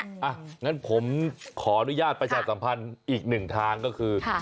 อย่างนั้นผมขออนุญาตประชาสัมพันธ์อีกหนึ่งทางก็คือ